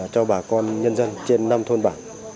cho bà con nhân dân trên năm thôn bản